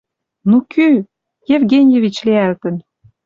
«Ну, кӱ?» — «Евгеньевич лиӓлтӹн!..»